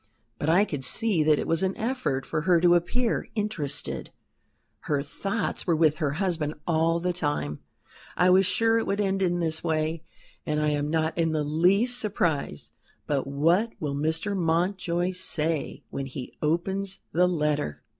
But I could see that it was an effort for her to appear interested her thoughts were with her husband all the time. I was sure it would end in this way, and I am not in the least surprised. But what will Mr. Mountjoy say when he opens the letter?"